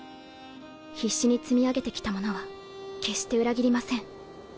必死に積み上げてきたものは決して裏切りません。